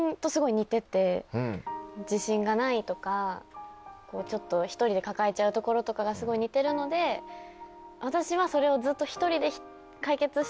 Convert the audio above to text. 自信がないとかちょっと一人で抱えちゃうところとかがすごい似てるので私はそれを。